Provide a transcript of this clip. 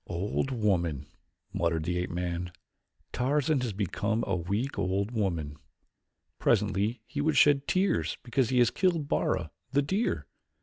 "Old woman," muttered the ape man. "Tarzan has become a weak old woman. Presently he would shed tears because he has killed Bara, the deer.